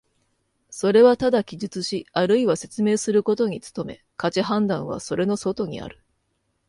それはただ記述しあるいは説明することに努め、価値判断はそれの外にある。